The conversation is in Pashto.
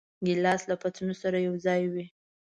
ګیلاس له پتنوس سره یوځای وي.